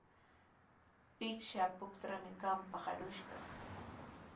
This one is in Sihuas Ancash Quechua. Pichqa puntrawmi qampaq arushaq.